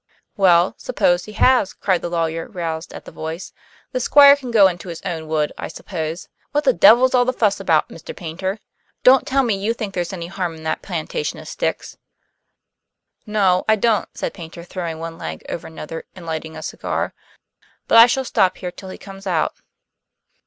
"Well, suppose he has?" cried the lawyer, roused at the voice. "The Squire can go into his own wood, I suppose! What the devil's all the fuss about, Mr. Paynter? Don't tell me you think there's any harm in that plantation of sticks." "No, I don't," said Paynter, throwing one leg over another and lighting a cigar. "But I shall stop here till he comes out."